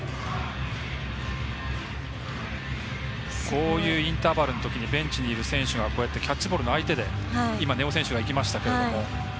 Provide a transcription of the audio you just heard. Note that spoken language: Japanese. こういうインターバルのときにベンチにいる選手がキャッチボールの相手で今も根尾選手が行きましたが。